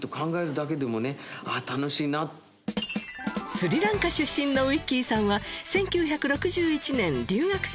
スリランカ出身のウィッキーさんは１９６１年留学生として来日。